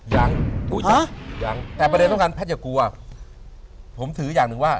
ยังอุ๊ยยังแต่ประเด็นต้องการแพทย์อย่ากลัวผมถืออย่างหนึ่งว่า